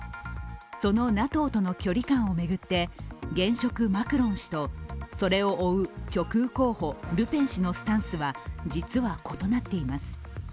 そのＮＡＴＯとの距離感を巡って、現職マクロン氏と、それを追う極右候補、ルペン氏のスタンスは実は異なっています。